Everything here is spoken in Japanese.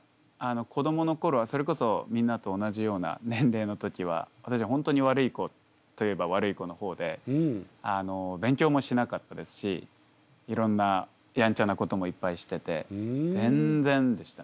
子どものころはそれこそみんなと同じような年齢の時は私は本当に悪い子といえば悪い子の方で勉強もしなかったですしいろんなやんちゃなこともいっぱいしてて全然でしたね。